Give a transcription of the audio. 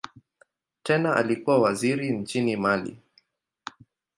Tena alikuwa waziri nchini Mali.